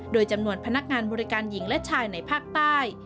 โดยจำนวนพนักงานบริการหญิงและชายในภาคใต้